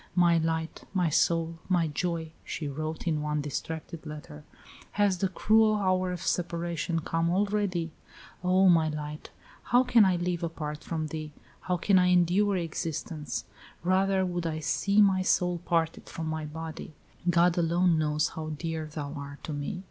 "My light, my soul, my joy," she wrote in one distracted letter, "has the cruel hour of separation come already? O, my light! how can I live apart from thee? How can I endure existence? Rather would I see my soul parted from my body. God alone knows how dear thou art to me.